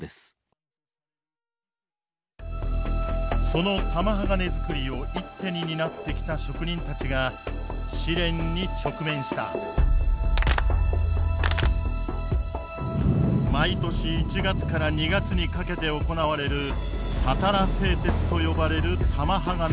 その玉鋼づくりを一手に担ってきた職人たちが試練に直面した毎年１月から２月にかけて行われるたたら製鉄と呼ばれる玉鋼づくり。